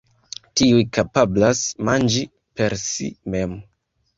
Tiuj kapablas manĝi per si mem.